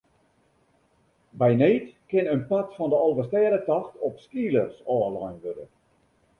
By need kin in part fan de Alvestêdetocht op skeelers ôflein wurde.